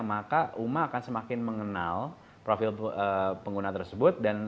maka uma akan semakin mengenal profil pengguna tersebut